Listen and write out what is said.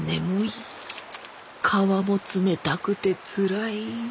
川も冷たくてつらい。